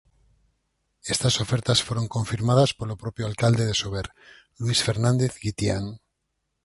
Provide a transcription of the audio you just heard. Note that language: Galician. Estas ofertas foron confirmadas polo propio alcalde de Sober, Luís Fernández Guitián.